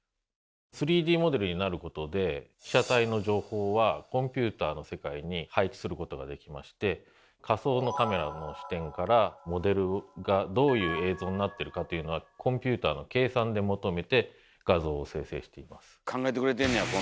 ３Ｄモデルになることで被写体の情報はコンピューターの世界に配置することができまして仮想のカメラの視点からモデルがどういう映像になってるかというのはコンピューターの計算で求めて画像を生成しています。